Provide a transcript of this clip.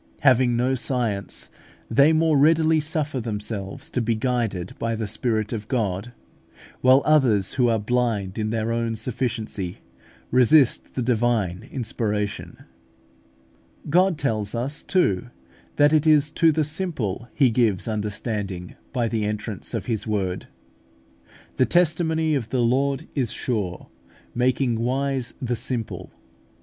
Having no science, they more readily suffer themselves to be guided by the Spirit of God: while others who are blind in their own sufficiency resist the divine inspiration. God tells us, too, that it is to the simple He gives understanding by the entrance of His Word (Ps. cxix. 130). "The testimony of the Lord is sure, making wise the simple" (Ps.